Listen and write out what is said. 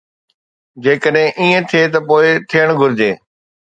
جيڪڏهن ائين ٿئي ته پوءِ ٿيڻ گهرجي.